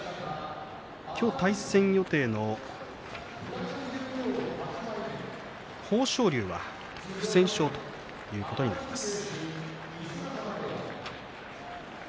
今日、対戦予定の豊昇龍は不戦勝ということになります。